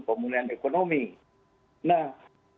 pemulihan ekonomi nah